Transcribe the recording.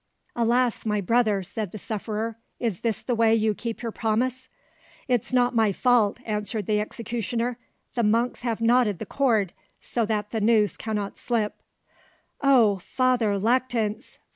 "Ah! my brother," said the sufferer, "is this the way you keep your promise?" "It's not my fault," answered the executioner; "the monks have knotted the cord, so that the noose cannot slip." "Oh, Father Lactance!